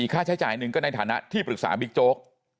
ค่าใช้จ่ายหนึ่งก็ในฐานะที่ปรึกษาบิ๊กโจ๊ก